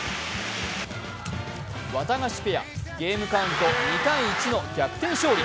ワタガシペア、ゲームカウント２−１の逆転勝利。